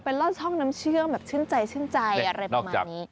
เป็นลอดช่องน้ำเชื่องแบบชื่นใจชื่นใจอะไรประมาณนี้